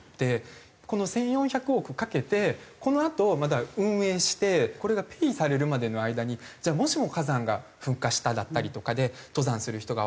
この１４００億かけてこのあとまだ運営してこれがペイされるまでの間にじゃあもしも火山が噴火しただったりとかで登山する人が行けないような状態になっちゃったら